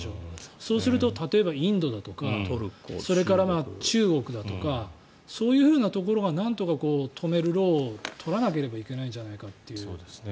そうると例えばインドだとかそれから中国だとかそういうふうなところがなんとか止める労を取らなければいけないのではという。